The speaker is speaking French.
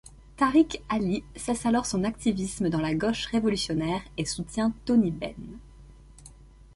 Tariq Ali cesse alors son activisme dans la gauche révolutionnaire et soutient Tony Benn.